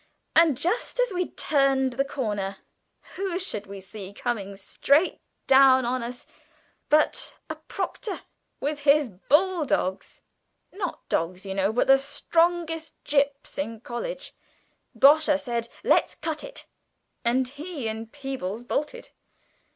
and, just as we turned the corner, who should we see coming straight down on us but a Proctor with his bull dogs (not dogs, you know, but the strongest 'gyps' in college). Bosher said, 'Let's cut it!' and he and Peebles bolted.